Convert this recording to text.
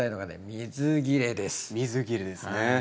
水切れですね。